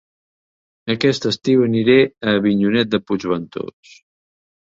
Aquest estiu aniré a Avinyonet de Puigventós